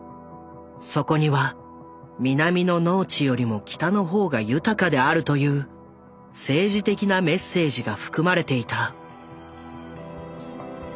そこには南の農地よりも北の方が豊かであるという政治的なメッセージが含まれていた。